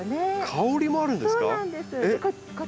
香りもあるんですか？